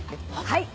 はい！